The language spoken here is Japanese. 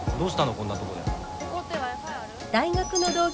こんなとこで。